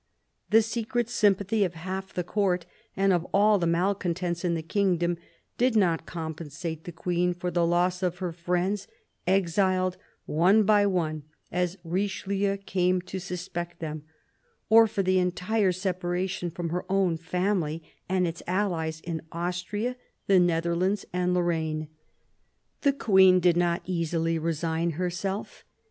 The secret sympathy of half the Court and of all the malcontents in the kingdom did not compensate the Queen for the loss of her friends, exiled one by one as Richelieu came to suspect them, or for the entire separation from her own family and its allies in Austria, the Netherlands, and Lorraine. The Queen did not easily resign herself.